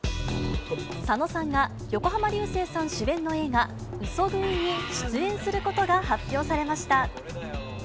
佐野さんが、横浜流星さん主演の映画、嘘喰いに出演することが発表されました。